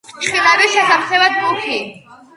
ფრჩხილები შესამჩნევად მუქი.